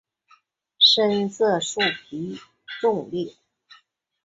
深色树皮纵裂。